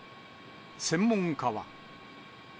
専門家は。